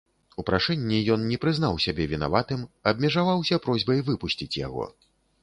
У прашэнні ён не прызнаў сябе вінаватым, абмежаваўся просьбай выпусціць яго.